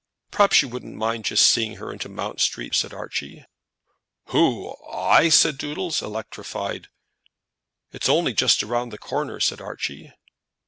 "Perhaps you wouldn't mind just seeing her into Mount Street," said Archie. "Who; I?" said Doodles, electrified. "It is only just round the corner," said Archie.